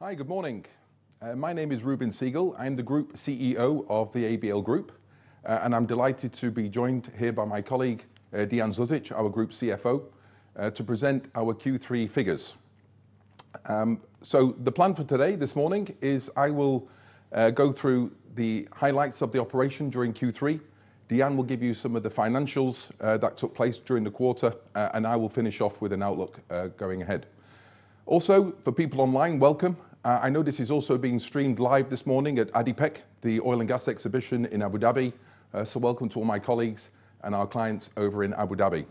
Hi, good morning. My name is Reuben Segal. I'm the Group CEO of the ABL Group, and I'm delighted to be joined here by my colleague, Dean Zuzic, our Group CFO, to present our Q3 figures. The plan for today, this morning, is I will go through the highlights of the operation during Q3. Dean will give you some of the financials that took place during the quarter, and I will finish off with an outlook going ahead. Also, for people online, welcome. I know this is also being streamed live this morning at ADIPEC, the oil and gas exhibition in Abu Dhabi. Welcome to all my colleagues and our clients over in Abu Dhabi.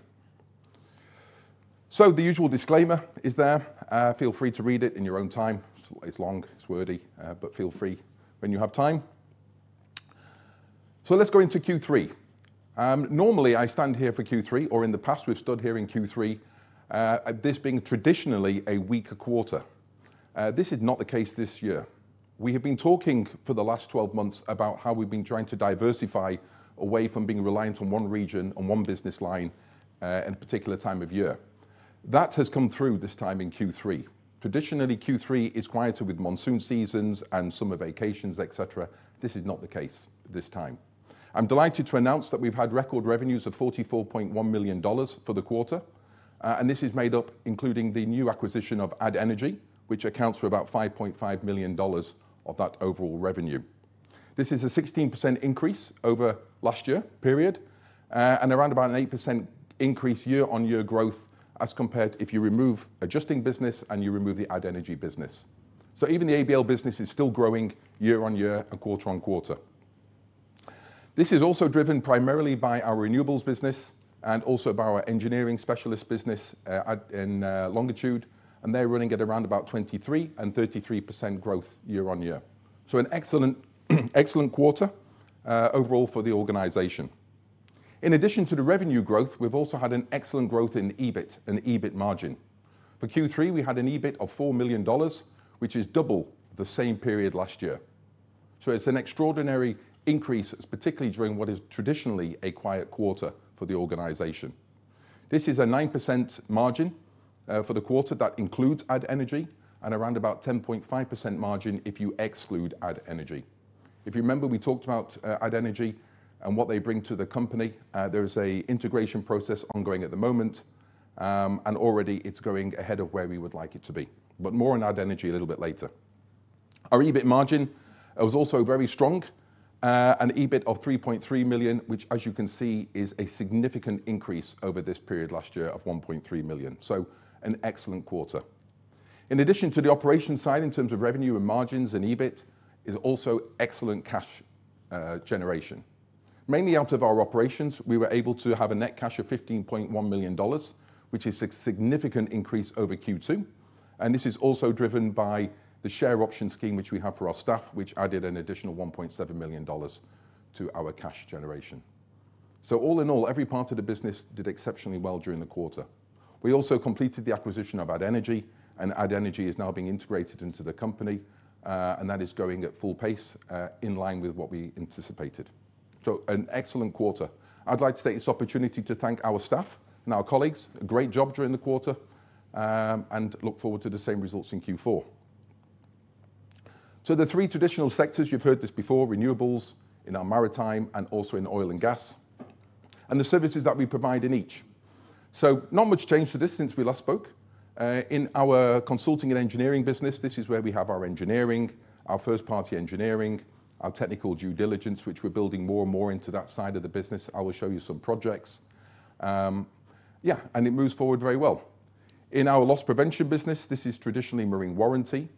The usual disclaimer is there. Feel free to read it in your own time. It's long, it's wordy, but feel free when you have time. Let's go into Q3. Normally I stand here for Q3, or in the past, we've stood here in Q3, this being traditionally a weaker quarter. This is not the case this year. We have been talking for the last 12 months about how we've been trying to diversify away from being reliant on one region and one business line, and a particular time of year. That has come through this time in Q3. Traditionally, Q3 is quieter with monsoon seasons and summer vacations, et cetera. This is not the case this time. I'm delighted to announce that we've had record revenues of $44.1 million for the quarter, and this is made up including the new acquisition of Add Energy, which accounts for about $5.5 million of that overall revenue. This is a 16% increase over last year period, and around about an 8% increase year-on-year growth as compared if you remove Adjusting Business and you remove the Add Energy business. Even the ABL business is still growing year-on-year and quarter-on-quarter. This is also driven primarily by our renewables business and also by our engineering specialist business in Longitude, and they're running at around about 23% and 33% growth year-on-year. An excellent quarter overall for the organization. In addition to the revenue growth, we've also had an excellent growth in EBIT and EBIT margin. For Q3, we had an EBIT of $4 million, which is double the same period last year. It's an extraordinary increase, particularly during what is traditionally a quiet quarter for the organization. This is a 9% margin for the quarter that includes Add Energy and around about 10.5% margin if you exclude Add Energy. If you remember, we talked about Add Energy and what they bring to the company. There's an integration process ongoing at the moment, and already it's going ahead of where we would like it to be. More on Add Energy a little bit later. Our EBIT margin was also very strong, an EBIT of 3.3 million, which as you can see, is a significant increase over this period last year of 1.3 million. An excellent quarter. In addition to the operations side, in terms of revenue and margins and EBIT, is also excellent cash generation. Mainly out of our operations, we were able to have a net cash of $15.1 million, which is a significant increase over Q2. This is also driven by the share option scheme which we have for our staff, which added an additional $1.7 million to our cash generation. All in all, every part of the business did exceptionally well during the quarter. We also completed the acquisition of Add Energy, and Add Energy is now being integrated into the company, and that is going at full pace, in line with what we anticipated. An excellent quarter. I'd like to take this opportunity to thank our staff and our colleagues. Great job during the quarter, and look forward to the same results in Q4. The three traditional sectors, you've heard this before, renewables in our maritime and also in oil and gas, and the services that we provide in each. Not much change to this since we last spoke. In our consulting and engineering business, this is where we have our engineering, our first-party engineering, our technical due diligence, which we're building more and more into that side of the business. I will show you some projects. Yeah, and it moves forward very well. In our loss prevention business, this is traditionally marine warranty,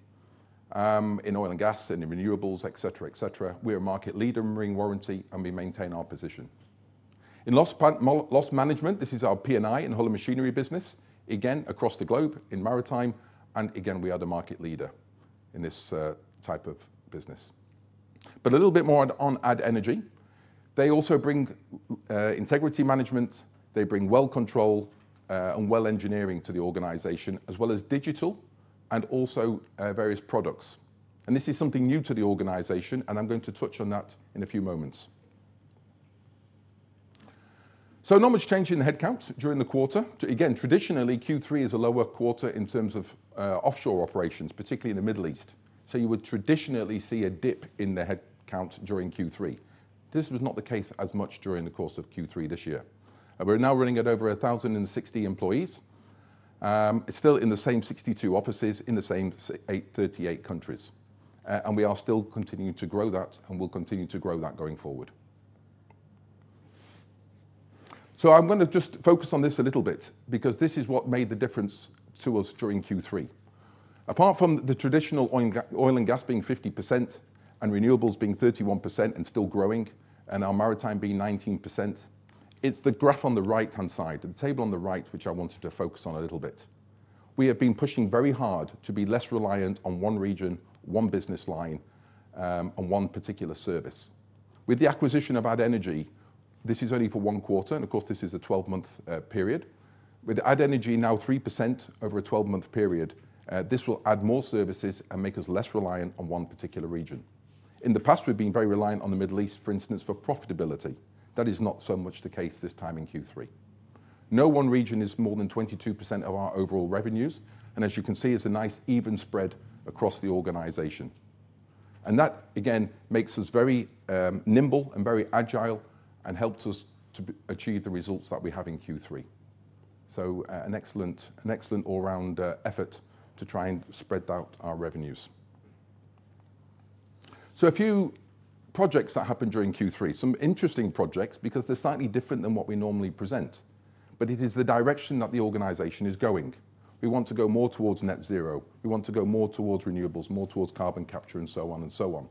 in oil and gas, in renewables, et cetera, et cetera. We're a market leader in marine warranty, and we maintain our position. In loss management, this is our P&I and hull and machinery business, again, across the globe in maritime, and again, we are the market leader in this type of business. A little bit more on Add Energy. They also bring integrity management. They bring well control and well engineering to the organization, as well as digital and also various products. This is something new to the organization, and I'm going to touch on that in a few moments. Not much change in the headcount during the quarter. Again, traditionally, Q3 is a lower quarter in terms of offshore operations, particularly in the Middle East. You would traditionally see a dip in the headcount during Q3. This was not the case as much during the course of Q3 this year. We're now running at over 1,060 employees. It's still in the same 62 offices, in the same 83 countries. We are still continuing to grow that and will continue to grow that going forward. I'm gonna just focus on this a little bit because this is what made the difference to us during Q3. Apart from the traditional oil and gas being 50% and renewables being 31% and still growing, and our maritime being 19%, it's the graph on the right-hand side, the table on the right, which I wanted to focus on a little bit. We have been pushing very hard to be less reliant on one region, one business line, and one particular service. With the acquisition of Add Energy, this is only for one quarter, and of course, this is a 12-month period. With Add Energy now 3% over a 12-month period, this will add more services and make us less reliant on one particular region. In the past, we've been very reliant on the Middle East, for instance, for profitability. That is not so much the case this time in Q3. No one region is more than 22% of our overall revenues, and as you can see, it's a nice even spread across the organization. That again makes us very nimble and very agile and helps us to achieve the results that we have in Q3. An excellent all-round effort to try and spread out our revenues. A few projects that happened during Q3, some interesting projects because they're slightly different than what we normally present, but it is the direction that the organization is going. We want to go more towards net zero. We want to go more towards renewables, more towards carbon capture and so on and so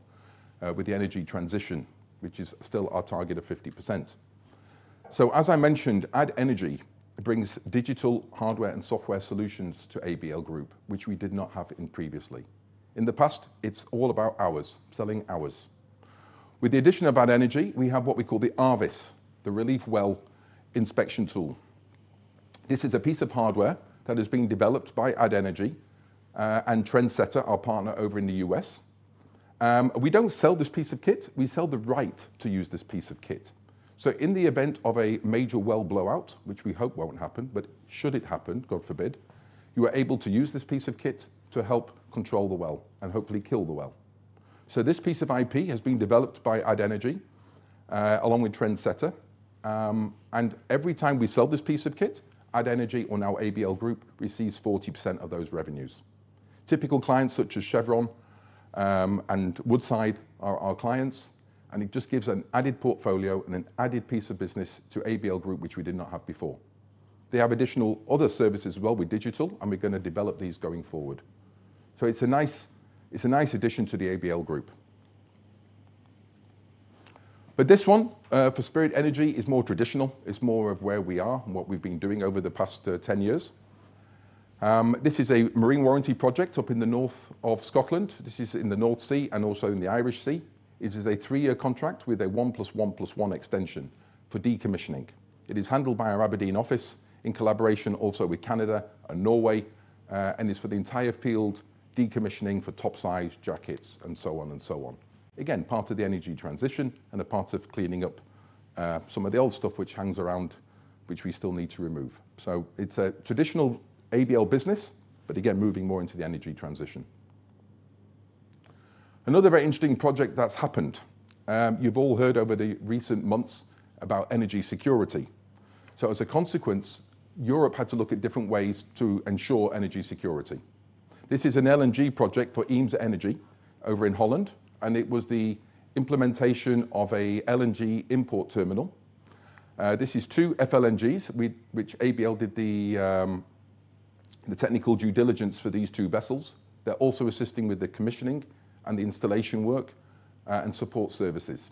on, with the energy transition, which is still our target of 50%. As I mentioned, Add Energy brings digital hardware and software solutions to ABL Group, which we did not have previously. In the past, it's all about hours, selling hours. With the addition of Add Energy, we have what we call the Aavis, the relief well inspection tool. This is a piece of hardware that is being developed by Add Energy, and Trendsetter, our partner over in the U.S. We don't sell this piece of kit, we sell the right to use this piece of kit. In the event of a major well blowout, which we hope won't happen, but should it happen, God forbid, you are able to use this piece of kit to help control the well and hopefully kill the well. This piece of IP has been developed by Add Energy, along with Trendsetter. Every time we sell this piece of kit, Add Energy or now ABL Group receives 40% of those revenues. Typical clients such as Chevron, and Woodside are our clients, and it just gives an added portfolio and an added piece of business to ABL Group which we did not have before. They have additional other services as well with digital, and we're gonna develop these going forward. It's a nice addition to the ABL Group. This one for Spirit Energy is more traditional. It's more of where we are and what we've been doing over the past 10 years. This is a marine warranty project up in the north of Scotland. This is in the North Sea and also in the Irish Sea. It is a three-year contract with a 1 + 1 + 1 extension for decommissioning. It is handled by our Aberdeen office in collaboration also with Canada and Norway, and is for the entire field decommissioning for topside jackets and so on. Again, part of the energy transition and a part of cleaning up, some of the old stuff which hangs around, which we still need to remove. It's a traditional ABL business, but again, moving more into the energy transition. Another very interesting project that's happened, you've all heard over the recent months about energy security. As a consequence, Europe had to look at different ways to ensure energy security. This is an LNG project for EemsEnergyTerminal over in Holland, and it was the implementation of an LNG import terminal. This is two FLNGs with which ABL did the technical due diligence for these two vessels. They're also assisting with the commissioning and the installation work, and support services.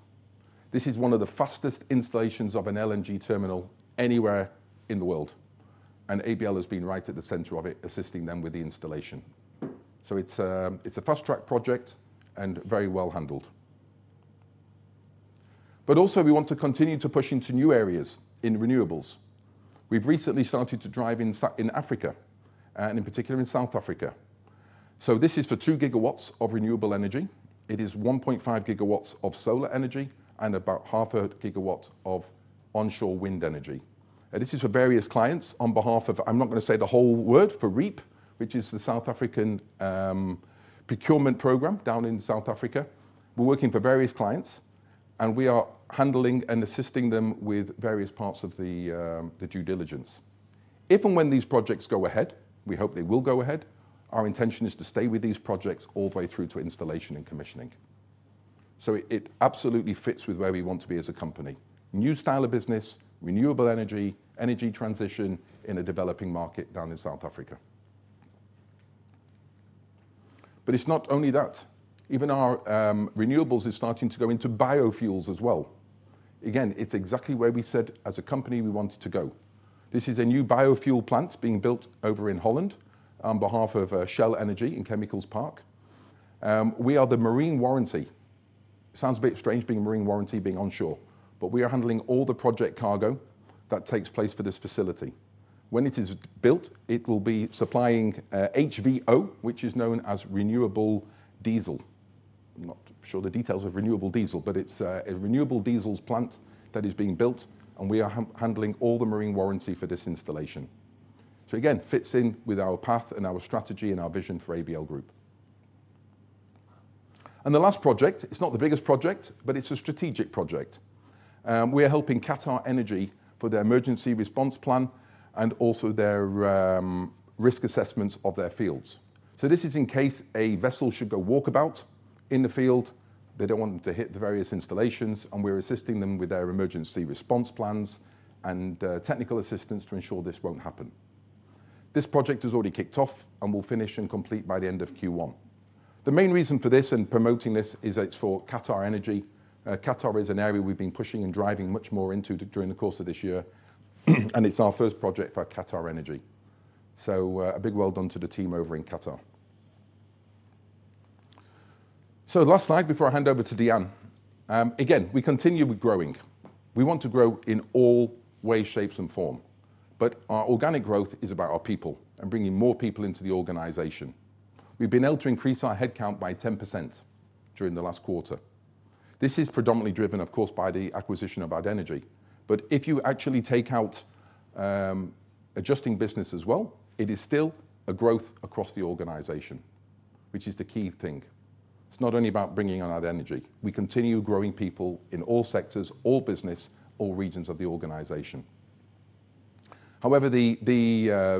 This is one of the fastest installations of an LNG terminal anywhere in the world, and ABL has been right at the center of it, assisting them with the installation. It's a fast-track project and very well handled. We want to continue to push into new areas in renewables. We've recently started to dive in Africa, and in particular in South Africa. This is for 2 GW of renewable energy. It is 1.5 GW of solar energy and about half a gigawatt of onshore wind energy. This is for various clients on behalf of, I'm not gonna say the whole word, for REIPPPP, which is the South African procurement program down in South Africa. We're working for various clients, and we are handling and assisting them with various parts of the due diligence. If and when these projects go ahead, we hope they will go ahead, our intention is to stay with these projects all the way through to installation and commissioning. It absolutely fits with where we want to be as a company. New style of business, renewable energy transition in a developing market down in South Africa. It's not only that. Even our renewables is starting to go into biofuels as well. Again, it's exactly where we said as a company we wanted to go. This is a new biofuel plant being built over in Holland on behalf of Shell Energy and Chemicals Park. We are the marine warranty. Sounds a bit strange being a marine warranty being onshore, but we are handling all the project cargo that takes place for this facility. When it is built, it will be supplying HVO, which is known as renewable diesel. I'm not sure the details of renewable diesel, but it's a renewable diesel plant that is being built, and we are handling all the marine warranty for this installation. Again, fits in with our path and our strategy and our vision for ABL Group. The last project, it's not the biggest project, but it's a strategic project. We are helping QatarEnergy for their emergency response plan and also their risk assessments of their fields. This is in case a vessel should go walkabout in the field. They don't want them to hit the various installations, and we're assisting them with their emergency response plans and technical assistance to ensure this won't happen. This project has already kicked off and will finish and complete by the end of Q1. The main reason for this and promoting this is it's for QatarEnergy. Qatar is an area we've been pushing and driving much more into during the course of this year, and it's our first project for QatarEnergy. A big well done to the team over in Qatar. Last slide before I hand over to Dean. Again, we continue with growing. We want to grow in all ways, shapes, and forms, but our organic growth is about our people and bringing more people into the organization. We've been able to increase our headcount by 10% during the last quarter. This is predominantly driven, of course, by the acquisition of Add Energy. If you actually take out Adjusting Business as well, it is still a growth across the organization, which is the key thing. It's not only about bringing on Add Energy. We continue growing people in all sectors, all business, all regions of the organization. However, the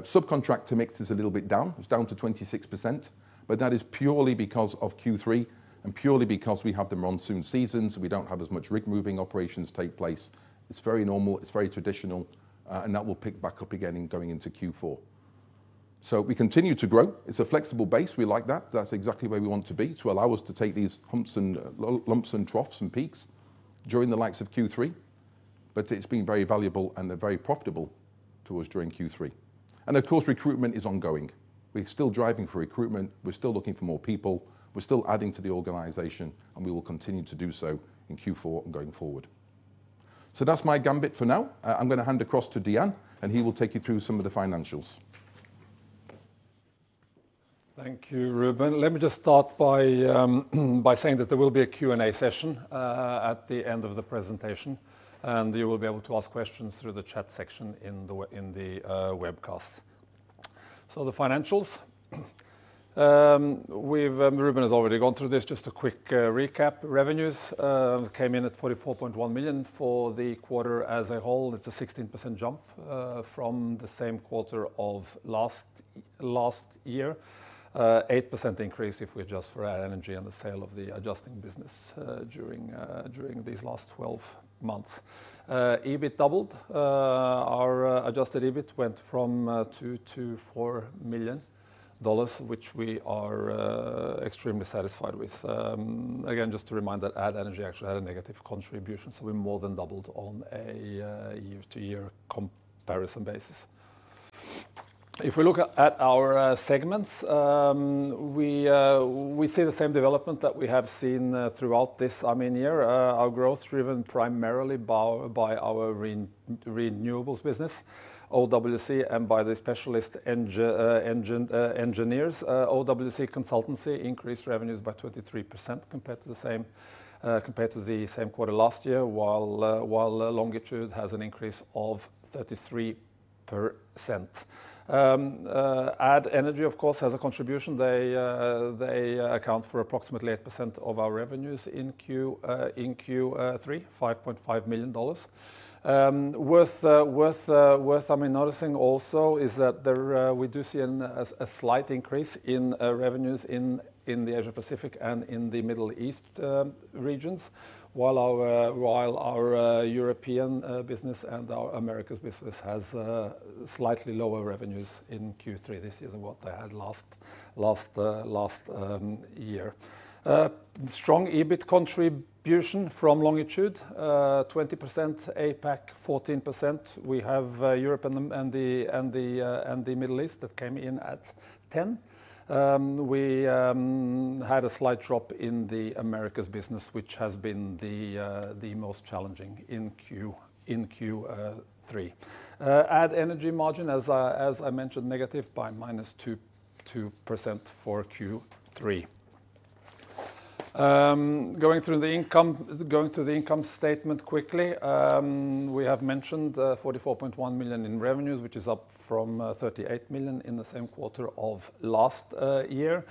subcontractor mix is a little bit down. It's down to 26%, but that is purely because of Q3 and purely because we have the monsoon season, so we don't have as much rig moving operations take place. It's very normal, it's very traditional, and that will pick back up again in going into Q4. We continue to grow. It's a flexible base. We like that. That's exactly where we want to be to allow us to take these humps and lumps and troughs and peaks during the likes of Q3. It's been very valuable and very profitable to us during Q3. Of course, recruitment is ongoing. We're still driving for recruitment, we're still looking for more people, we're still adding to the organization, and we will continue to do so in Q4 and going forward. That's my gambit for now. I'm gonna hand over to Dean, and he will take you through some of the financials. Thank you, Reuben. Let me just start by saying that there will be a Q&A session at the end of the presentation, and you will be able to ask questions through the chat section in the webcast. The financials. Reuben has already gone through this. Just a quick recap. Revenues came in at $44.1 million for the quarter as a whole. It's a 16% jump from the same quarter of last year. 8% increase if we adjust for Add Energy and the sale of the Adjusting Business during these last 12 months. EBIT doubled. Our Adjusted EBIT went from $2 million-$4 million, which we are extremely satisfied with. Again, just to remind that Add Energy actually had a negative contribution, so we more than doubled on a year-to-year comparison basis. If we look at our segments, we see the same development that we have seen throughout this year. Our growth driven primarily by our renewables business, OWC, and by the specialist engineers. OWC consultancy increased revenues by 23% compared to the same quarter last year, while Longitude has an increase of 33%. Add Energy, of course, has a contribution. They account for approximately 8% of our revenues in Q3, $5.5 million. Worth noticing also is that there we do see a slight increase in revenues in the Asia-Pacific and in the Middle East regions, while our European business and our Americas business has slightly lower revenues in Q3 this year than what they had last year. Strong EBIT contribution from Longitude, 20%, APAC 14%. We have Europe and the Middle East that came in at 10%. We had a slight drop in the Americas business, which has been the most challenging in Q3. Add Energy margin, as I mentioned, negative by -2% for Q3. Going through the income statement quickly. We have mentioned $44.1 million in revenues, which is up from $38 million in the same quarter of last year.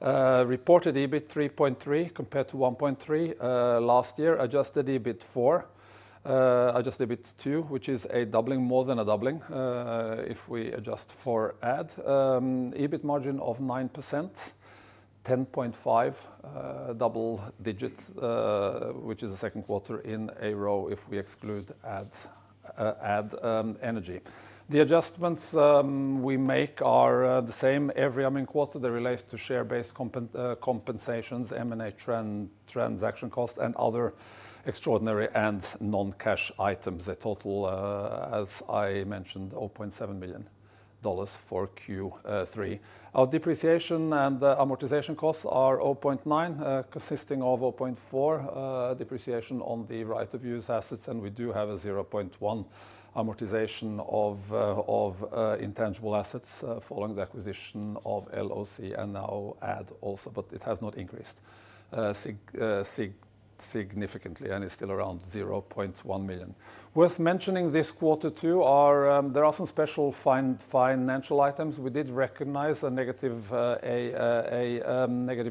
Reported EBIT $3.3 million compared to $1.3 million last year. Adjusted EBIT $4 million. Adjusted EBIT $2 million, which is a doubling, more than a doubling, if we adjust for Add Energy. EBIT margin of 9%, 10.5%, double digits, which is the second quarter in a row if we exclude Add Energy. The adjustments we make are the same every, I mean, quarter. They relates to share-based compensations, M&A transaction costs, and other extraordinary and non-cash items. They total, as I mentioned, $0.7 million for Q3. Our depreciation and amortization costs are $0.9 million, consisting of $0.4 million depreciation on the right-of-use assets, and we do have a $0.1 million amortization of intangible assets following the acquisition of LOC and now Add Energy also, but it has not increased significantly and is still around $0.1 million. Worth mentioning this quarter too are some special financial items. We did recognize a negative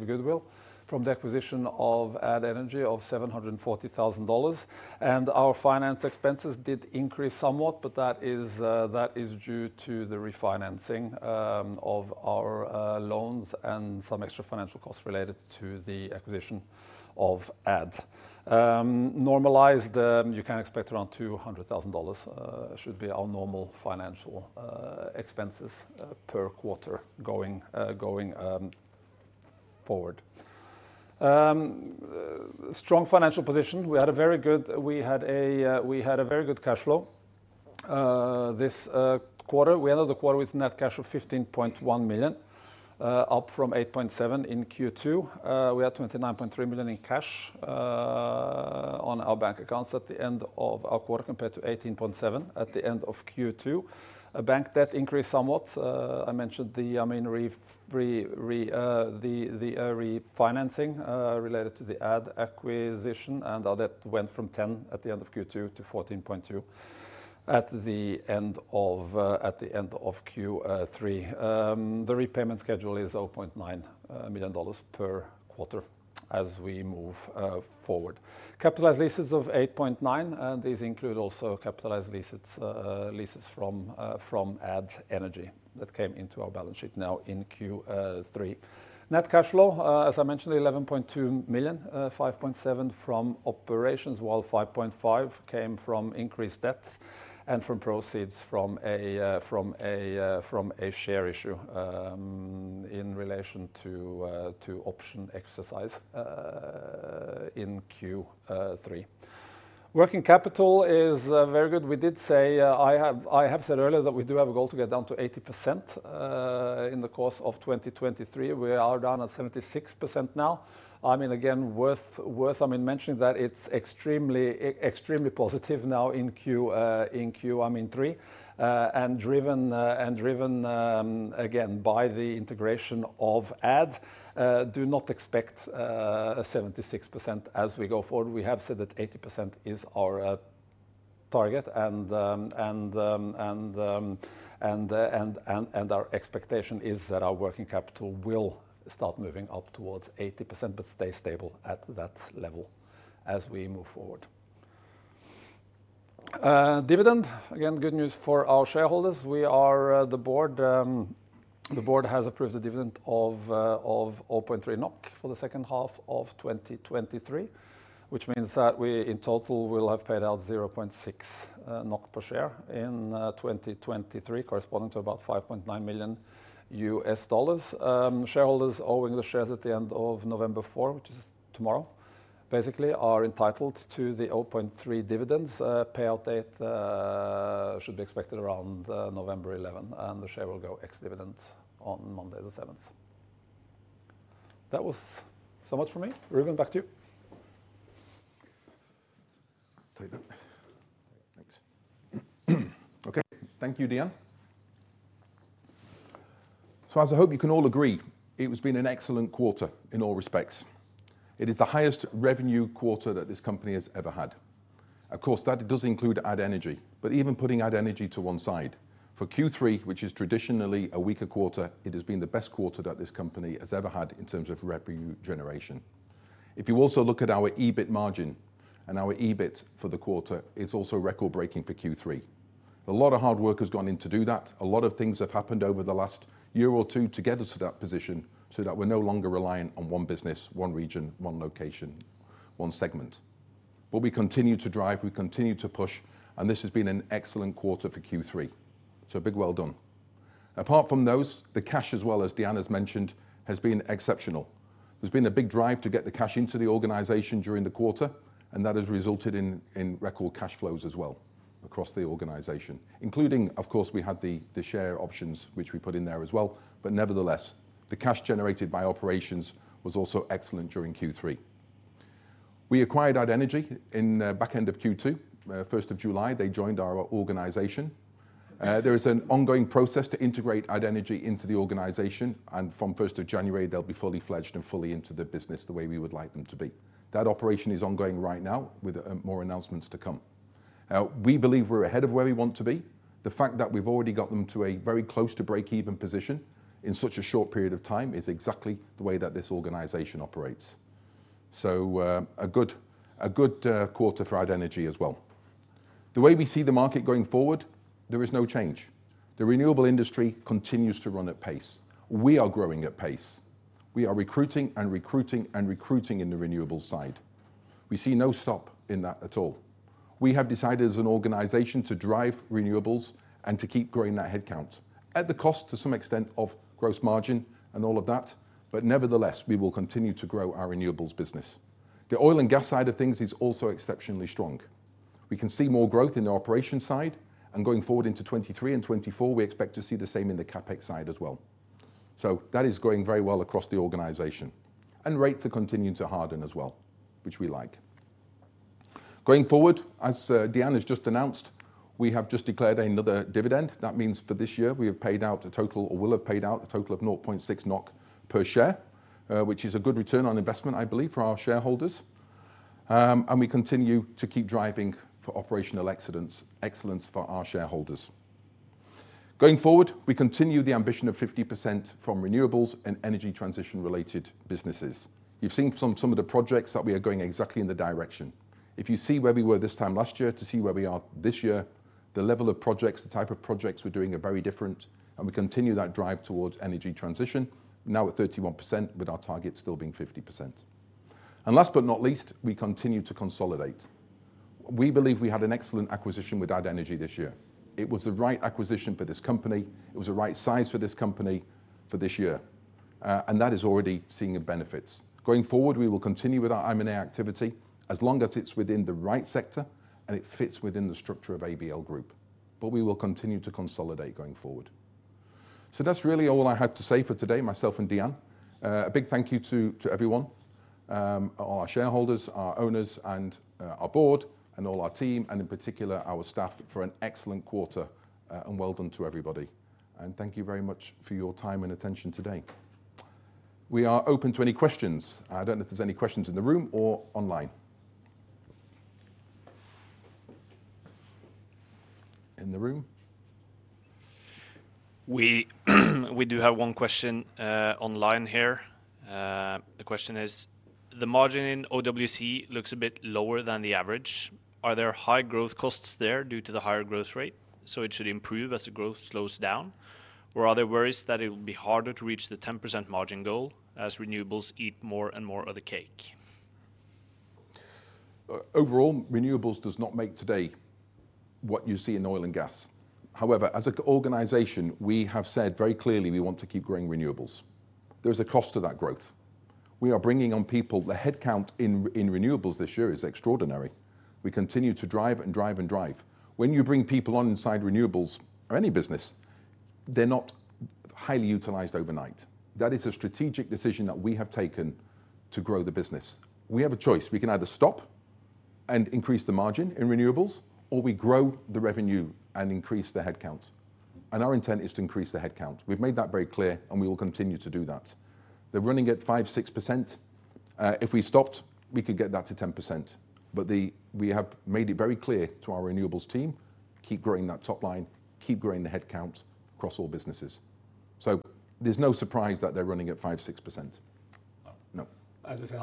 goodwill from the acquisition of Add Energy of $740,000. Our finance expenses did increase somewhat, but that is due to the refinancing of our loans and some extra financial costs related to the acquisition of Add Energy. Normalized, you can expect around $200,000, should be our normal financial expenses per quarter going forward. Strong financial position. We had a very good cash flow this quarter. We ended the quarter with net cash of $15.1 million, up from $8.7 million in Q2. We had $29.3 million in cash on our bank accounts at the end of our quarter, compared to $18.7 million at the end of Q2. Our bank debt increased somewhat. I mentioned, I mean, the refinancing related to the Add Energy acquisition and our debt went from $10 at the end of Q2 to $14.2 at the end of Q3. The repayment schedule is $0.9 million per quarter as we move forward. Capitalized leases of $8.9, and these include also capitalized leases from Add Energy that came into our balance sheet now in Q3. Net cash flow, as I mentioned, $11.2 million, $5.7 from operations, while $5.5 came from increased debts and from proceeds from a share issue in relation to option exercise in Q3. Working capital is very good. We did say, I have said earlier that we do have a goal to get down to 80%, in the course of 2023. We are down at 76% now. I mean, again, worth mentioning that it's extremely positive now in Q3 and driven again by the integration of Add. Do not expect a 76% as we go forward. We have said that 80% is our target and our expectation is that our working capital will start moving up towards 80% but stay stable at that level as we move forward. Dividend, again, good news for our shareholders. The board has approved a dividend of 0.3 NOK for the second half of 2023, which means that we in total will have paid out 0.6 NOK per share in 2023, corresponding to about $5.9 million. Shareholders owning the shares at the end of November 4th, which is tomorrow, basically are entitled to the 0.3 dividends. Payout date should be expected around November 11th, and the share will go ex-dividend on Monday the 7th. That was so much from me. Reuben, back to you. Take that. Thanks. Okay. Thank you, Dean Zuzic. As I hope you can all agree, it has been an excellent quarter in all respects. It is the highest revenue quarter that this company has ever had. Of course, that does include Add Energy. But even putting Add Energy to one side, for Q3, which is traditionally a weaker quarter, it has been the best quarter that this company has ever had in terms of revenue generation. If you also look at our EBIT margin and our EBIT for the quarter, it's also record-breaking for Q3. A lot of hard work has gone in to do that. A lot of things have happened over the last year or two to get us to that position so that we're no longer reliant on one business, one region, one location, one segment. We continue to drive, we continue to push, and this has been an excellent quarter for Q3. A big well done. Apart from those, the cash as well, as Dean has mentioned, has been exceptional. There's been a big drive to get the cash into the organization during the quarter, and that has resulted in record cash flows as well across the organization, including, of course, we had the share options which we put in there as well. Nevertheless, the cash generated by operations was also excellent during Q3. We acquired Add Energy in the back end of Q2. First of July, they joined our organization. There is an ongoing process to integrate Add Energy into the organization, and from first of January, they'll be fully fledged and fully into the business the way we would like them to be. That operation is ongoing right now with more announcements to come. We believe we're ahead of where we want to be. The fact that we've already got them to a very close to breakeven position in such a short period of time is exactly the way that this organization operates. A good quarter for Add Energy as well. The way we see the market going forward, there is no change. The renewable industry continues to run at pace. We are growing at pace. We are recruiting and recruiting and recruiting in the renewables side. We see no stop in that at all. We have decided as an organization to drive renewables and to keep growing that headcount at the cost to some extent of gross margin and all of that. Nevertheless, we will continue to grow our renewables business. The oil and gas side of things is also exceptionally strong. We can see more growth in the operations side, and going forward into 2023 and 2024, we expect to see the same in the CapEx side as well. That is going very well across the organization. Rates are continuing to harden as well, which we like. Going forward, as Dean Zuzic has just announced, we have just declared another dividend. That means for this year we have paid out a total or will have paid out a total of 0.6 NOK per share, which is a good return on investment, I believe, for our shareholders. We continue to keep driving for operational excellence for our shareholders. Going forward, we continue the ambition of 50% from renewables and energy transition-related businesses. You've seen some of the projects that we are going exactly in the direction. If you see where we were this time last year to see where we are this year, the level of projects, the type of projects we're doing are very different, and we continue that drive towards energy transition, now at 31%, with our target still being 50%. Last but not least, we continue to consolidate. We believe we had an excellent acquisition with Add Energy this year. It was the right acquisition for this company. It was the right size for this company for this year. That is already seeing the benefits. Going forward, we will continue with our M&A activity as long as it's within the right sector and it fits within the structure of ABL Group, but we will continue to consolidate going forward. That's really all I had to say for today, myself and Dean Zuzic. A big thank you to everyone, our shareholders, our owners and our board and all our team, and in particular our staff for an excellent quarter. Well done to everybody. Thank you very much for your time and attention today. We are open to any questions. I don't know if there's any questions in the room or online. In the room. We do have one question online here. The question is: The margin in OWC looks a bit lower than the average. Are there high growth costs there due to the higher growth rate, so it should improve as the growth slows down or are there worries that it will be harder to reach the 10% margin goal as renewables eat more and more of the cake? Overall, renewables does not make today what you see in oil and gas. However, as an organization, we have said very clearly we want to keep growing renewables. There is a cost to that growth. We are bringing on people. The headcount in renewables this year is extraordinary. We continue to drive and drive and drive. When you bring people on inside renewables or any business, they're not highly utilized overnight. That is a strategic decision that we have taken to grow the business. We have a choice. We can either stop and increase the margin in renewables, or we grow the revenue and increase the headcount. Our intent is to increase the headcount. We've made that very clear, and we will continue to do that. They're running at 5%-6%. If we stopped, we could get that to 10%. We have made it very clear to our renewables team, keep growing that top line, keep growing the headcount across all businesses. There's no surprise that they're running at 5%-6%. As I say, I mean, just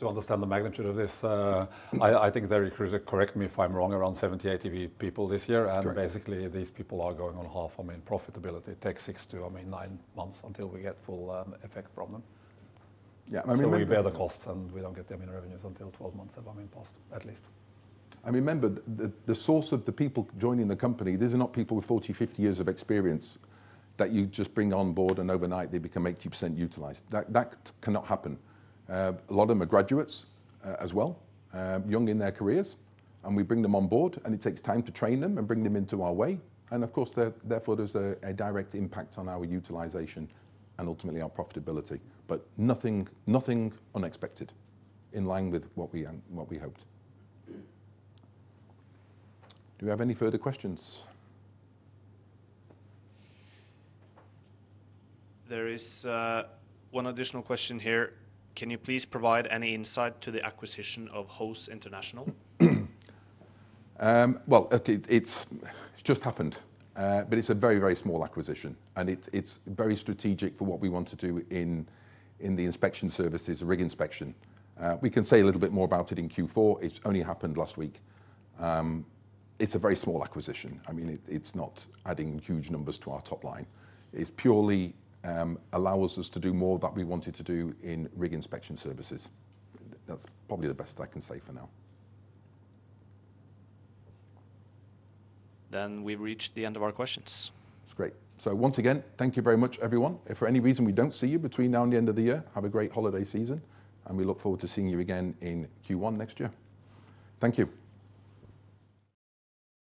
to understand the magnitude of this, I think very crucial, correct me if I'm wrong, around 70-80 people this year. Basically, these people are going on half. I mean, profitability takes 6-9 months until we get full effect from them. Yeah, I mean. We bear the costs, and we don't get them in revenues until 12 months have gone past, at least. Remember, the source of the people joining the company. These are not people with 40, 50 years of experience that you just bring on board and overnight they become 80% utilized. That cannot happen. A lot of them are graduates, as well, young in their careers, and we bring them on board, and it takes time to train them and bring them into our way. Of course, therefore, there's a direct impact on our utilization and ultimately our profitability. Nothing unexpected. In line with what we hoped. Do we have any further questions? There is one additional question here. Can you please provide any insight to the acquisition of H.O.S.E. International? Well, it's just happened, but it's a very small acquisition, and it's very strategic for what we want to do in the inspection services, rig inspection. We can say a little bit more about it in Q4. It's only happened last week. It's a very small acquisition. I mean, it's not adding huge numbers to our top line. It's purely allows us to do more that we wanted to do in rig inspection services. That's probably the best I can say for now. Then we've reached the end of our questions. That's great. Once again, thank you very much, everyone. If for any reason we don't see you between now and the end of the year, have a great holiday season, and we look forward to seeing you again in Q1 next year. Thank you.